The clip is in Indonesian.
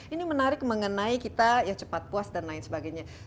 ini menarik mengenai kita ya cepat puas dan lain sebagainya